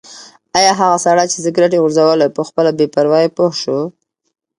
ایا هغه سړی چې سګرټ یې غورځولی و په خپله بې پروايي پوه شو؟